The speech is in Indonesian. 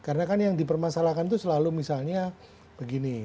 karena kan yang dipermasalahkan itu selalu misalnya begini